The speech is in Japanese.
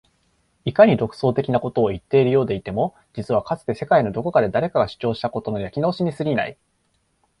いかに独創的なことを言っているようでいても実はかつて世界のどこかで誰かが主張したことの焼き直しに過ぎない